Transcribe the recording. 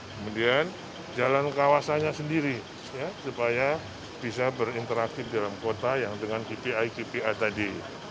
kemudian jalan kawasannya sendiri supaya bisa berinteraksi di dalam kota yang dengan kpi kpi tadi